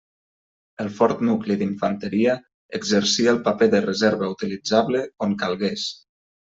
El fort nucli d'Infanteria exercia el paper de reserva utilitzable on calgués.